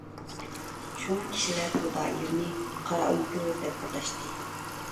شۇڭا كىشىلەر بۇ دائىرىنى «قارا ئۆڭكۈر» دەپ ئاتاشتى.